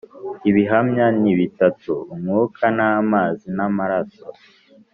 Ibihamya ni bitatu, Umwuka n'amazi n'amaraso